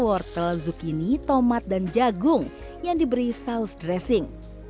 kertel zucchini tomat dan jagung yang diberi saus dressing